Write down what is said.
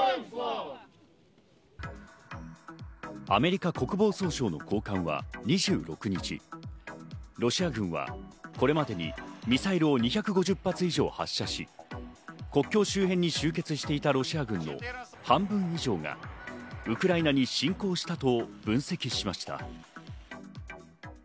アメリカ国防総省の高官は２６日、ロシア軍はこれまでにミサイルを２５０発以上を発射し、国境周辺に集結していたロシア軍の半分以上がウクライナに侵攻したと分析しました。